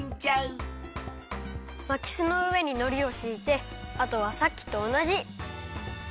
まきすのうえにのりをしいてあとはさっきとおなじ。